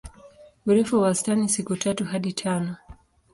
Urefu wa wastani siku tatu hadi tano.